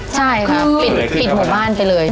ใช่ค่ะปิดหมู่บ้านไปเลย